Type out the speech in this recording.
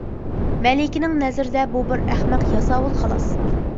مەلىكىنىڭ نەزىرىدە بۇ بىر ئەخمەق ياساۋۇل خالاس!